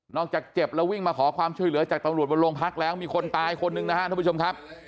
จากเจ็บแล้ววิ่งมาขอความช่วยเหลือจากตำรวจบนโรงพักแล้วมีคนตายคนหนึ่งนะครับท่านผู้ชมครับ